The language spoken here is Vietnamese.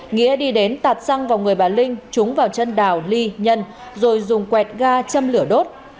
nghĩa đi đến tạt xăng vào người bà linh trúng vào chân đào ly nhân rồi dùng quẹt ga châm lửa đốt